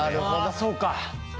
あそうか。